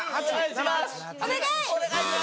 お願い！